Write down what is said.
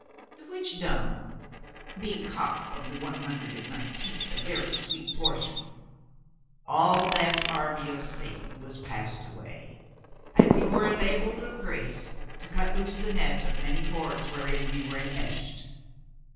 The which done (being Koph of the one hundred and nineteenth, a very sweet portion), all that army of Satan was passed away, and we were enabled of grace to cut loose the net of many cords wherein we were en meshed.